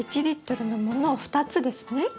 １リットルのものを２つですね？